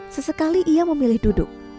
sesekali ia memilih duduk